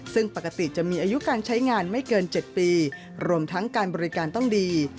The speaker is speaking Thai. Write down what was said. ซึ่งปกติจะมีอายุการใช้งานไม่เกิน๗ปีรวมทั้งการบริการต้องดี